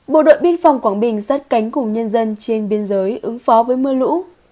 bộ đội biên phòng quảng bình sát cánh cùng nhân dân trên biên giới ứng phó với mưa lũ